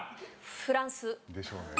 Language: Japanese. フランス。でしょうね。